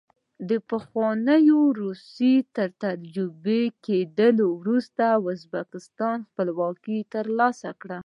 د پخوانۍ روسیې تر تجزیه کېدو وروسته ازبکستان خپلواکي ترلاسه کړه.